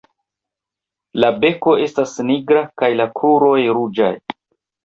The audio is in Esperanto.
La beko estas nigra kaj la kruroj ruĝaj.